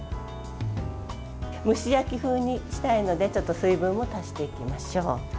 蒸し焼き風にしたいのでちょっと水分を足していきましょう。